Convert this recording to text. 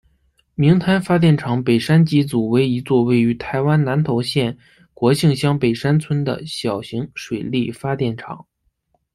明潭发电厂北山机组为一座位于台湾南投县国姓乡北山村的小型水力发电厂。